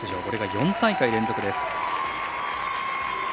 これが４大会連続です。